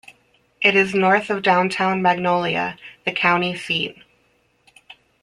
It is north of downtown Magnolia, the county seat.